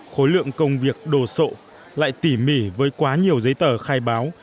khối lượng công việc đồ sộ lại tỉ mỉ với quá nhiều giấy tờ khai báo